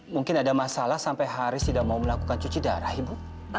mungkin ada masalah sampai haris tidak mau melakukan cuci darah ibu